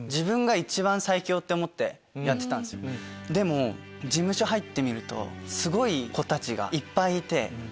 でも事務所入ってみるとすごい子たちがいっぱいいて。